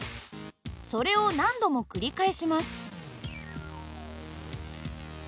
それを何度も繰り返します。